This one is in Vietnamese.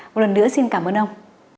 một lần nữa xin cảm ơn ông